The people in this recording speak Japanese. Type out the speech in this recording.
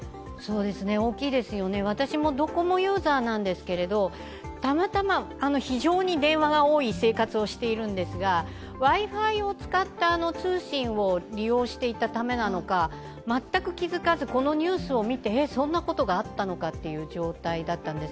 大きいですよね、私もドコモユーザーなんですけどたまたま非常に電話が多い生活をしているんですが、Ｗｉ−Ｆｉを使った通信を利用していたためなのか全く気付かず、このニュースをみてこんなことがあったのかという状態だったんです。